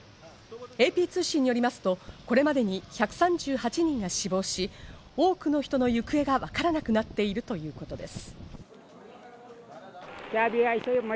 ＡＰ通信によりますと、これまでに１３８人が死亡し、多くの人の行方がわからなくなっているということです。